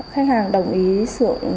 khách hàng đồng ý sửa gói